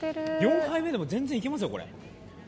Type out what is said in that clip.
４杯目でも全然いけますよ、これ。